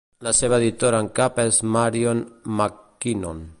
La seva editora en cap és Marion MacKinnon.